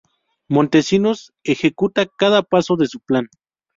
Montesinos ejecuta cada paso de su plan.